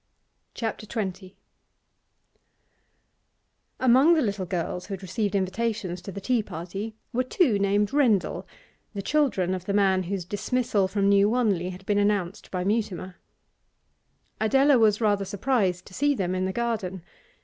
CHAPTER XX Among the little girls who had received invitations to the tea party were two named Rendal, the children of the man whose dismissal from New Wanley had been announced by Mutimer. Adela was rather surprised to see them in the garden.